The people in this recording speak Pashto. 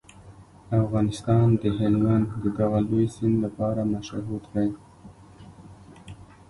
افغانستان د هلمند د دغه لوی سیند لپاره مشهور دی.